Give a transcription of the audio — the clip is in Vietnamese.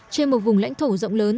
trên một vùng lãnh thổ rộng lớn